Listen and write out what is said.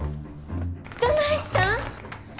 どないしたん？